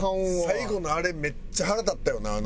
最後のあれめっちゃ腹立ったよな？